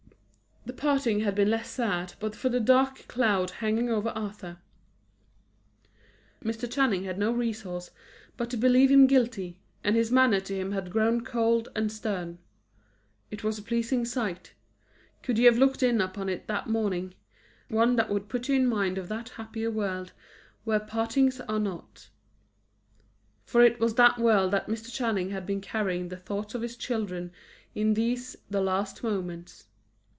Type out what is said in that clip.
The parting had been less sad but for the dark cloud hanging over Arthur. Mr. Channing had no resource but to believe him guilty, and his manner to him had grown cold and stern. It was a pleasing sight could you have looked in upon it that morning one that would put you in mind of that happier world where partings are not. For it was to that world that Mr. Channing had been carrying the thoughts of his children in these, the last moments.